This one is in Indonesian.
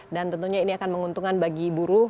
dan tentunya ini akan menguntungkan bagi buruh